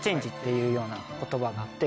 いうような言葉があって。